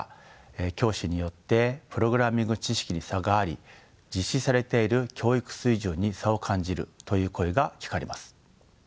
教師によってプログラミング知識に差があり実施されている教育水準に差を感じるという声が聞かれます。